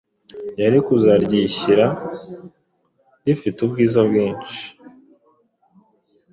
yari kuzaryishyira rifite ubwiza bwinshi